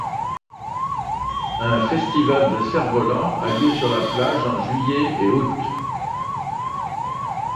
Un festival de cerfs-volants a lieu sur la plage en juillet et août.